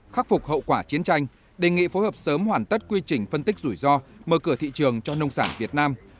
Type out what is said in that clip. khắc phục hậu quả chiến tranh đề nghị phối hợp sớm hoàn tất quy trình phân tích rủi ro mở cửa thị trường cho nông sản việt nam